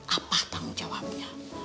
apa tanggung jawabnya